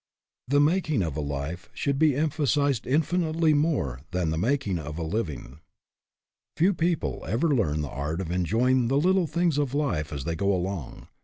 The making of a life should be emphasized infinitely more than the making of a living. Few people ever learn the art of enjoying the little things of life as they go along.